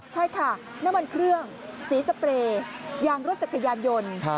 ใช่ค่ะน้ำมันเครื่องสีสเปรย์ยางรถจักรยานยนต์